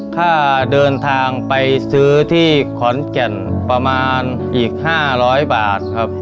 ค่าเดินทางไปซื้อที่ขอนแก่นประมาณอีก๕๐๐บาทครับ